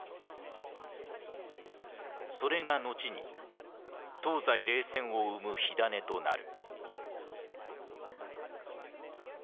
それが後に東西冷戦を生む火種となる。